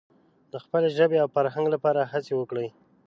د خپلې ژبې او فرهنګ لپاره هڅې وکړي.